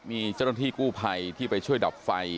มีเจ้าหน้าที่กู้ภัยที่ไปช่วยดับไฟ